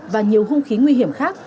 và nhiều hung khí nguy hiểm khác